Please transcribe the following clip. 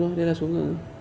đúng rồi đây là số lượng người